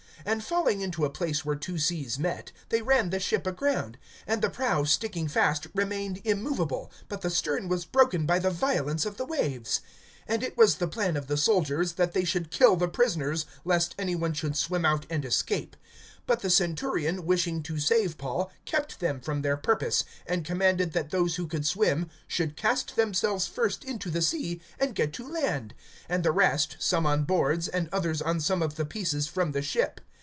(41)And falling into a place where two seas met, they ran the ship aground; and the prow sticking fast remained immovable, but the stern was broken by the violence of the waves. (42)And it was the plan of the soldiers, that they should kill the prisoners, lest any one should swim out, and escape. (43)But the centurion, wishing to save Paul, kept them from their purpose; and commanded that those who could swim should cast themselves first into the sea and get to land, (44)and the rest, some on boards, and others on some of the pieces from the ship.